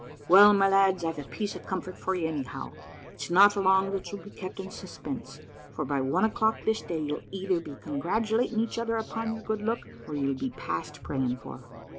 Well, my lads, I've a piece of comfort for you, anyhow. It's not long that you'll be kept in suspense, for by one o'clock this day, you'll either be congratulating each other upon your good luck, or you'll be past praying for.